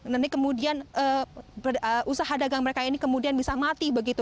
nanti kemudian usaha dagang mereka ini kemudian bisa mati begitu